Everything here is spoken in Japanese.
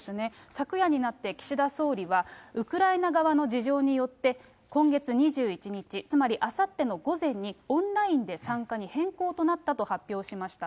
昨夜になって岸田総理は、ウクライナ側の事情によって、今月２１日、つまりあさっての午前に、オンラインで参加に変更となったと発表しました。